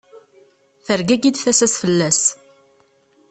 Tergagi-d tasa-s fell-as.